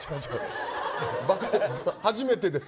初めてです。